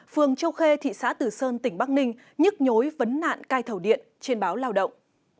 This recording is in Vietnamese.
phường châu khê thị xã tử sơn tỉnh bắc ninh nhức nhối vấn nạn cai thầu điện trên báo lao động